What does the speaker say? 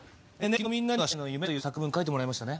昨日みんなには将来の夢という作文書いてもらいましたね。